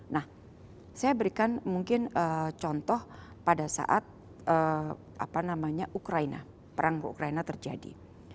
nah saya berikan mungkin contoh pada saat ukraina perang ukraina terjadi